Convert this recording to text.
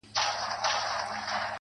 ستا ويادو ته ورځم_